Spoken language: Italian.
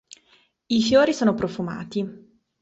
I fiori sono profumati.